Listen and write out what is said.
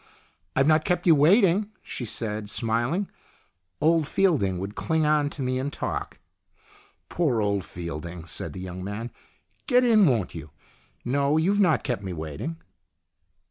I've not kept you waiting ?" she said, smiling. " Old Fielding would cling on to me and talk." " Poor old Fielding !" said the young man. "Get in, won't you? No, you've not kept me waiting."